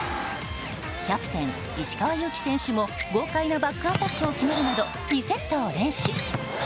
キャプテン、石川祐希選手も豪快なバックアタックを決めるなど２セットを連取。